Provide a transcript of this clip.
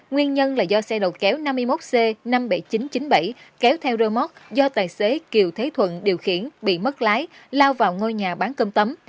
nguyên nhân là do xe đầu kéo năm mươi một c năm mươi bảy nghìn chín trăm chín mươi bảy kéo theo rơ móc do tài xế kiều thế thuận điều khiển bị mất lái lao vào ngôi nhà bán cơm tấm